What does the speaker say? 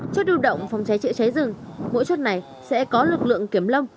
trước điều động phòng cháy chữa cháy rừng mỗi chốt này sẽ có lực lượng kiểm lâm